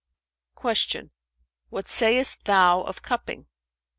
Q "What sayest thou of cupping?"